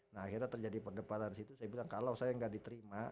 nah akhirnya terjadi perdebatan di situ saya bilang kalau saya nggak diterima